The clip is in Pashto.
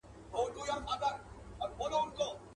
نن په څشي تودوې ساړه رګونه.